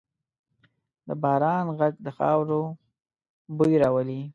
د باران ږغ د خاورو بوی راولي.